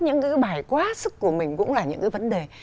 những cái bài quá sức của mình cũng là những cái vấn đề